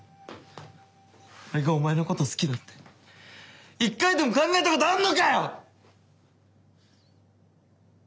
俺がお前のこと好きだって一回でも考えたことあんのかよ！